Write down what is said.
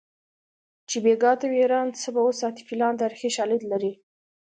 چې بیګا ته وي حیران څه به وساتي فیلان تاریخي شالید لري